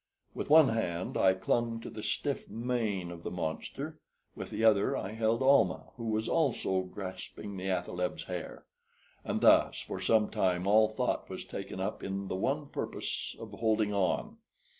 With one hand I clung to the stiff mane of the monster; with the other I held Almah, who was also grasping the athaleb's hair; and thus for some time all thought was taken up in the one purpose of holding on.